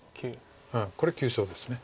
これ急所です。